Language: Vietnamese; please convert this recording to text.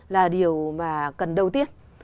là điều mà cần đầu tiên